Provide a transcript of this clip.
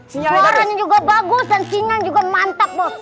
suaranya juga bagus dan singa juga mantap bos